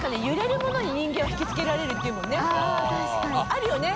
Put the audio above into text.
あるよね？